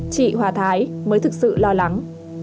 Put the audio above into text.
chị hòa thái mới thực sự lo lắng